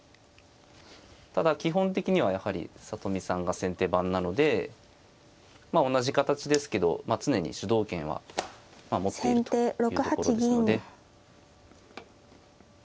ただ基本的にはやはり里見さんが先手番なので同じ形ですけど常に主導権は持っているというところですので。